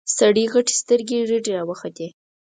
سړي غتې سترګې رډې راوختې.